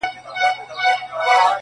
o لښکر که ډېر وي، بې مشره هېر وي٫